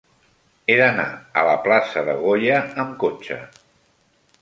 He d'anar a la plaça de Goya amb cotxe.